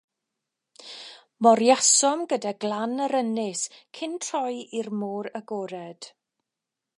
Moriasom gyda glan yr ynys, cyn troi i'r môr agored.